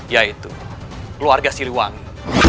yaitu keluarga siliwangi